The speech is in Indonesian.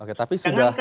oke tapi sudah